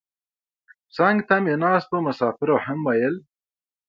څنګ ته مې ناستو مسافرو هم ویل.